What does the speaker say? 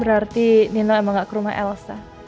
berarti nina emang gak ke rumah elsa